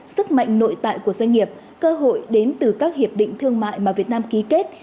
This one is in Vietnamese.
sức mạnh nội tại của doanh nghiệp cơ hội đến từ các hiệp định thương mại mà việt nam ký kết